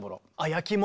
焼き物。